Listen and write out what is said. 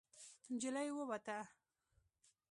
نجلۍ ووته.